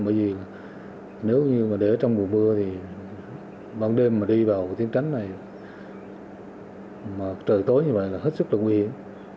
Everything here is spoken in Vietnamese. bởi vì nếu như để ở trong mùa mưa thì ban đêm mà đi vào tiếng tránh này trời tối như vậy là hết sức là nguy hiểm